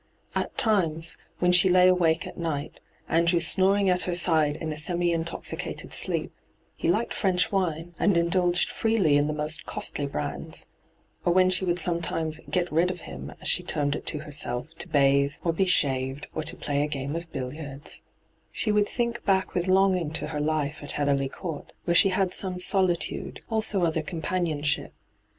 At times, when she lay awake at night, Andrew snoring at her side in a semi intoxi hyGooglc 142 ENTRAPPED cated Bleep — he liked French wine, and in dulged freely in the most costly brands — or when she would sometimes ' get rid of him,' as she termed it to herself, to bathe, or be shaved, or to play a game of billiards — she would think back with longing to her life at Heatherly Court, where she had some solitude, iJso other companionship.